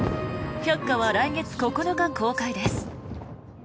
「百花」は来月９日公開です。